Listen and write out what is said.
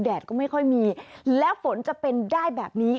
แดดก็ไม่ค่อยมีแล้วฝนจะเป็นได้แบบนี้